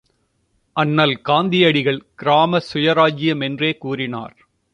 அண்ணல் காந்தியடிகள் கிராம சுயராஜ்யம் என்றே கூறினார்.